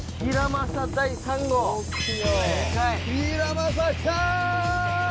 ヒラマサきた！